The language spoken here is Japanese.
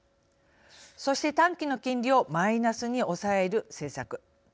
そして、短期の金利をマイナスに抑える政策。